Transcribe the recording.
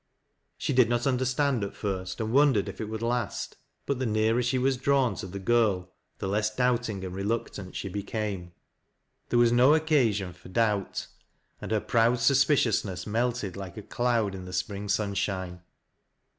She did not understand at first, and wondered if it would last ; but the nearer she was drawn to the girl, the less doubting and reluctant she became. There was no occasion for doubt, and her proud suspiciousness melted like a cloud in the spring sunshine.